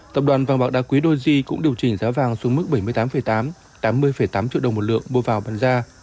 tập đoàn vàng bạc đá quý doji cũng điều chỉnh giá vàng xuống mức bảy mươi tám tám mươi tám triệu đồng một lượng mua vào bán ra